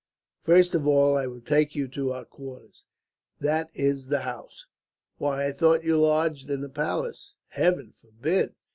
"First of all, I will take you to our quarters. That is the house." "Why, I thought you lodged in the palace?" "Heaven forbid!